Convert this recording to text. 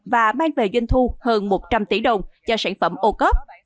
và mang về doanh thu hơn một trăm linh tỷ đồng cho sản phẩm ocov